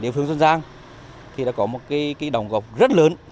địa phương xuân giang thì đã có một cái đồng góp rất lớn